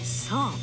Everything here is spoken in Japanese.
そう。